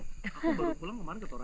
aku balik pulang kemana ke toraja